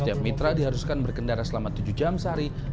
setiap mitra diharuskan berkendara selama tujuh jam sehari